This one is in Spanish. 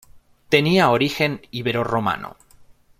Tenía origen ibero-romano.